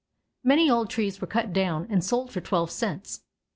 Many old trees were cut down and sold for twelve cents.